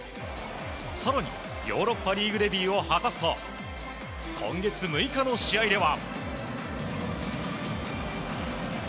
更にヨーロッパリーグデビューを果たすと今月６日の試合では。